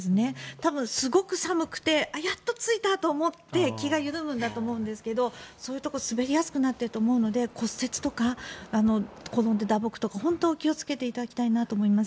多分、すごく寒くてやっと着いたと思って気が緩むんだと思うんですけどそういうところ滑りやすくなっていると思うので骨折とか、転んで打撲とか本当に気をつけていただきたいと思います。